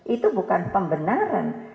itu bukan pembenaran